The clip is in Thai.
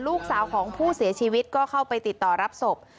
ลูกสาวของผู้เสียชีวิตก็เข้าไปติดต่อรับศพ